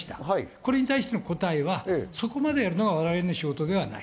これに対しての答えはそこまでやるのは我々の仕事ではない。